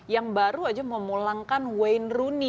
yang baru aja memulangkan wayne rooney